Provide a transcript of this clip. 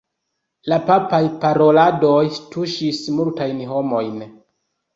La papaj paroladoj tuŝis multajn homojn.